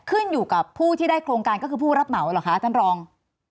ขึ้นอยู่กับผู้ที่ได้โครงการก็คือผู้รับเหมาเหรอคะท่านรอง